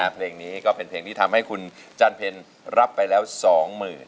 เพลงนี้ก็เป็นเพลงที่ทำให้คุณจันเพ็ญรับไปแล้ว๒๐๐๐